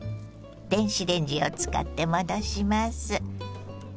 電子レンジを使って戻します。